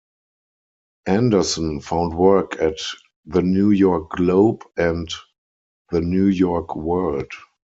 Anderson found work at "The New York Globe", and the "New York World".